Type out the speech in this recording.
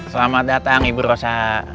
selamat datang ibu rosa